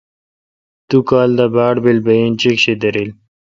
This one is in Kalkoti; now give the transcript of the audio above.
دو کال دا باڑ پیل بہ انچیک شی دریل۔